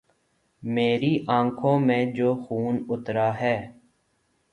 میری آنکھوں میں جو خون اترا ہے